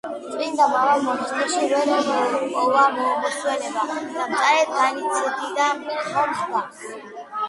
წმინდა მამამ მონასტერში ვერ ჰპოვა მოსვენება და მწარედ განიცდიდა მომხდარს.